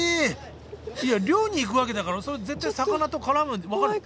いや、漁に行くわけだからそりゃ絶対魚と絡むの分かって。